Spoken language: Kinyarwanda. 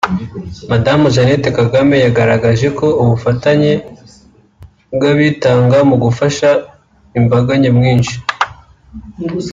Madamu Jeannette Kagame yagaragaje ko ubufatanye bw’abitanga mu gufasha imbaga nyamwinshi